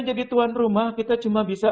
tuan rumah kita cuma bisa